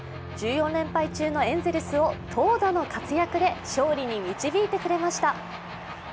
１４連敗中のエンゼルスを投打の活躍で勝利に導いてくれました。